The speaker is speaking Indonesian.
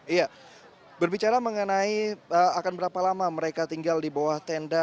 iya berbicara mengenai akan berapa lama mereka tinggal di bawah tenda